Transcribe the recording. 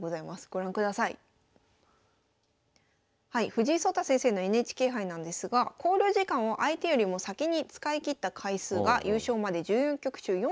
藤井聡太先生のＮＨＫ杯なんですが考慮時間を相手よりも先に使い切った回数が優勝まで１４局中４局ありました。